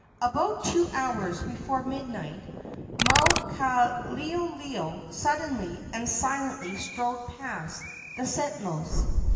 About two hours before midnight Maukaleoleo suddenly and silently strode past the sentinels.